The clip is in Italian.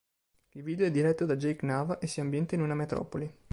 Il video è diretto da Jake Nava e si ambienta in una metropoli.